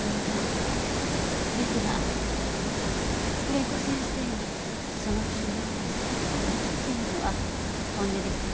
ですが久連木先生にその気になって頂きたかったというのは本音ですよ。